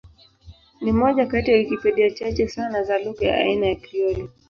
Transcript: Ni moja kati ya Wikipedia chache sana za lugha ya aina ya Krioli.